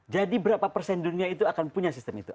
jadi berapa persen dunia itu akan punya sistem itu